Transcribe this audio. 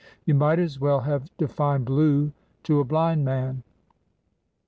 You might as well have defined blue to a blind man.